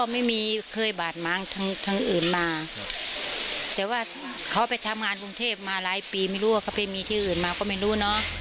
ไม่รู้ว่าเขาไปมีที่อื่นมาก็ไม่รู้